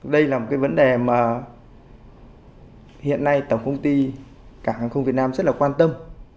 đây là một cái vấn đề mà hiện nay tổng công ty cảng hàng không việt nam rất là quan tâm